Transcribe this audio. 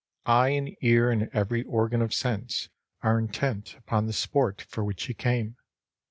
Eye and ear and every organ of sense are intent upon the sport for which he came.